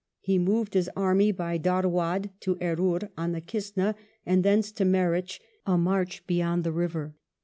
He moved his army by Darwar to Erroor on the Kistna, and thence to Meritch, a march beyond the river.